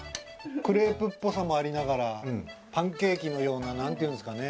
クレープっぽさもありながらパンケーキのようななんていうんですかね。